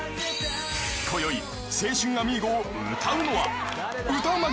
［こよい『青春アミーゴ』を歌うのは歌うま